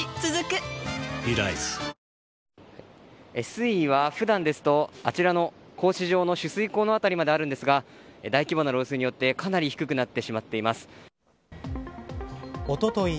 水位は普段ですとあちらの格子状の出水溝の辺りまでありますが大規模な漏水によってかなり低くなっておととい